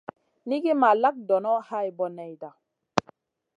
Nigi ma lak donoʼ hay boneyda.